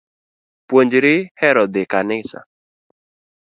Puonjri hero dhii e kanisa